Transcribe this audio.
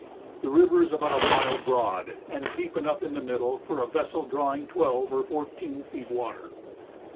The river is about a mile broad, and deep enough in the middle for a vessel drawing 12 or 14 feet water.